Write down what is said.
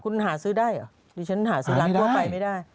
คุณหาซื้อได้เหรอดิฉันหาซื้อร้านทั่วไปไม่ได้